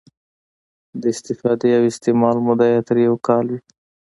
د استفادې او استعمال موده یې تر یو کال وي.